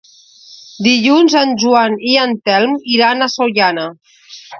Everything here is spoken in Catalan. Dilluns en Joan i en Telm iran a Sollana.